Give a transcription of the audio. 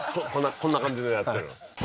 こんな感じでやってる？